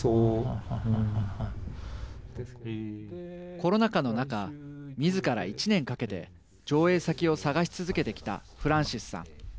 コロナ禍の中みずから１年かけて上映先を探し続けてきたフランシスさん。